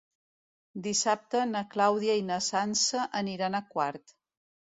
Dissabte na Clàudia i na Sança aniran a Quart.